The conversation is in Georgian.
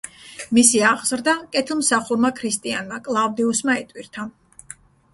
მისი აღზრდა კეთილმსახურმა ქრისტიანმა, კლავდიუსმა იტვირთა.